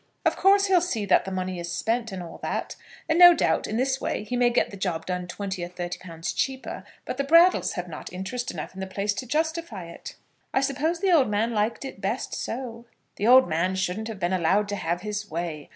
"Of course he'll see that the money is spent and all that, and no doubt in this way he may get the job done twenty or thirty pounds cheaper; but the Brattles have not interest enough in the place to justify it." "I suppose the old man liked it best so." "The old man shouldn't have been allowed to have his way.